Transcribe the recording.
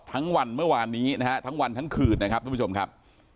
วันเมื่อวานนี้นะฮะทั้งวันทั้งคืนนะครับทุกผู้ชมครับ